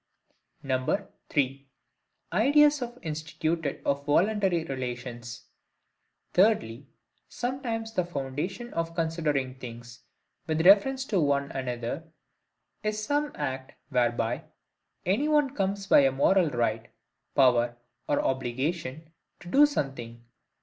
3. Ideas of Instituted or Voluntary relations. Thirdly, Sometimes the foundation of considering things with reference to one another, is some act whereby any one comes by a moral right, power, or obligation to do something.